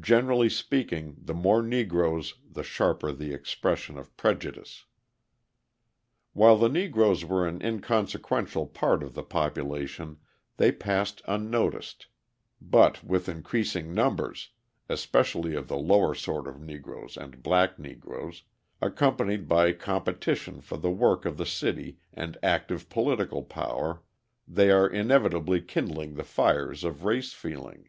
Generally speaking, the more Negroes the sharper the expression of prejudice. While the Negroes were an inconsequential part of the population, they passed unnoticed, but with increasing numbers (especially of the lower sort of Negroes and black Negroes), accompanied by competition for the work of the city and active political power, they are inevitably kindling the fires of race feeling.